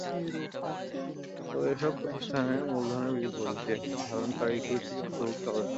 তবে এসব প্রতিষ্ঠানের মূলধনের বিপরীতে ধারণ করা ইক্যুইটি অন্তর্ভুক্ত হবে না।